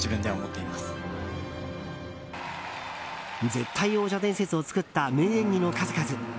絶対王者伝説を作った名演技の数々。